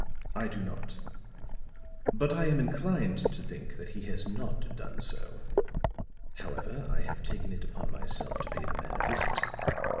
"I do not. But I am inclined to think that he has not done so. However, I have taken it upon myself to pay the man a visit.